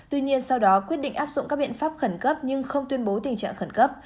tuy nhiên sau đó quyết định áp dụng các biện pháp khẩn cấp nhưng không tuyên bố tình trạng khẩn cấp